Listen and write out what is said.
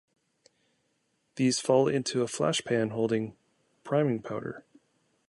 These fall into a flash pan holding priming powder.